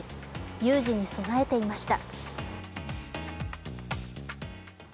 有事に備えていました。